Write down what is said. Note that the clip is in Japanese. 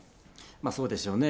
そうでしょうね。